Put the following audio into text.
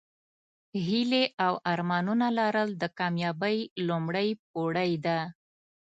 هیلې او ارمانونه لرل د کامیابۍ لومړۍ پوړۍ ده.